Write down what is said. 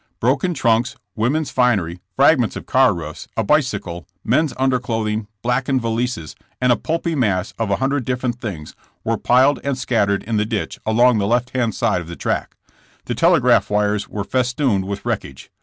Broken trunks, women's finery, fragments of car roofs, a bicycle, men's underclothing, blackened valises, and a pulpy mass of a hundred different things were piled and scattered in the ditch along the left hand side of the track. The telegraph wires were festooned with wreckage.